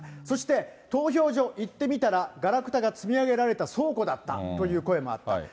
そして投票所、行ってみたら、がらくたが積み上げられた倉庫だったという声もあった。